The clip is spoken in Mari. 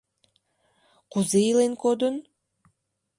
Кузе илен кодын?